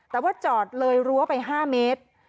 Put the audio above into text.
แต่ว่าจอดเลยรั้วไป๕เมตร